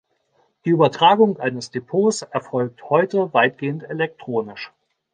Die Übertragung eines Depots erfolgt heute weitgehend elektronisch.